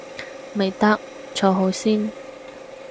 未得，坐好先